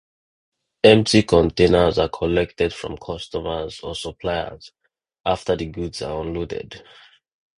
Empty containers are collected from customers or suppliers after the goods are unloaded.